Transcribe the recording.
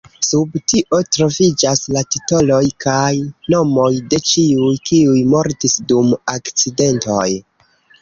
Sub tio troviĝas la titoloj kaj nomoj de ĉiuj, kiuj mortis dum akcidentoj.